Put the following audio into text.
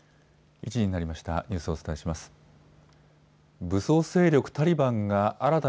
１時になりました。